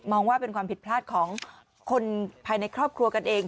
ว่าเป็นความผิดพลาดของคนภายในครอบครัวกันเอง